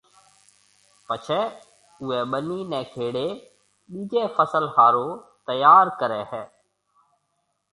پڇيَ اُوئي ٻنِي نَي کيڙيَ ٻِيجي فصل هارون تيار ڪريَ هيَ۔